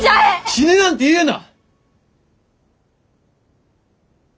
死ねなんて言うな！